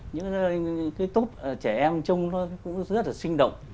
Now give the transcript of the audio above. những cái túp trẻ em trông nó cũng rất là sinh động